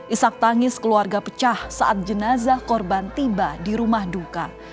isak tangis keluarga pecah saat jenazah korban tiba di rumah duka